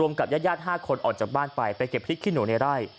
กับญาติ๕คนออกจากบ้านไปไปเก็บพริกขี้หนูในไร่